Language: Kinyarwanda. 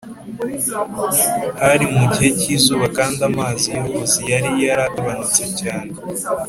Hari mu gihe cy izuba kandi amazi y uruzi yari yaragabanutse cyane